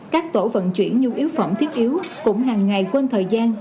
các tổ vận chuyển nhu yếu phẩm thiết yếu cũng hàng ngày quên thời gian